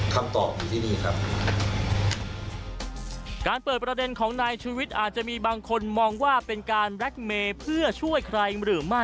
คำตอบอยู่ที่นี่ครับ